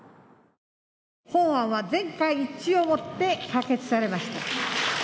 本案は全会一致をもって可決されました。